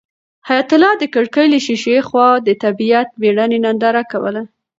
حیات الله د کړکۍ له شیشې هاخوا د طبیعت بېړنۍ ننداره کوله.